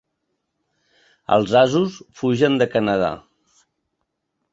Els asos fugen de Canadà.